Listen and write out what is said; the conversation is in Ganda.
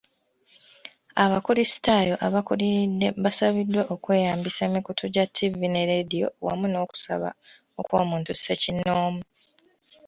Abakulisitaayo abakuliridde basabiddwa okweyambisa emikutu gya ttivvi ne leediyo wamu n'okusaba okw'omuntu ssekinnoomu.